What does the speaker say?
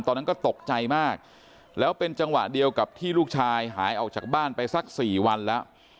ตอนนั้นก็ตกใจมากแล้วเป็นจังหวะเดียวกับที่ลูกชายหายออกจากบ้านไปสัก๔วันแล้ว